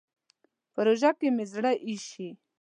په روژه کې مې زړه اېشي.